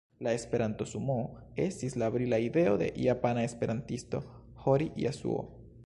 La Esperanto-sumoo estis la brila ideo de japana esperantisto, Hori Jasuo.